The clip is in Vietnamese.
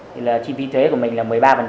thì là chi phí thuế của mình là một mươi ba